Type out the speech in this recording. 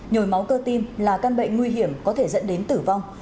nhồi máu cơ tim là căn bệnh nguy hiểm có thể dẫn đến tử vong